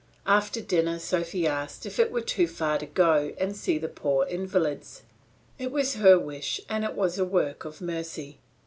After dinner Sophy asked if it were too far to go and see the poor invalids. It was her wish and it was a work of mercy.